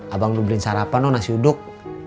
abang udah beliin sarapan loh nasi uduk